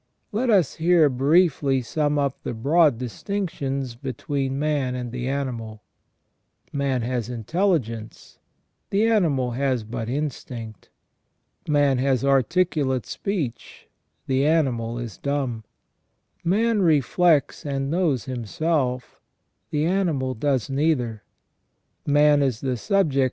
* Let us here briefly sum up the broad distinctions between man and the animal. Man has intelligence, the animal has but instinct ; man has articulate speech, the animal is dumb ; man reflects and knows himself, the animal does neither ; man is the subject of *De Quatrefages, The Human Species, c.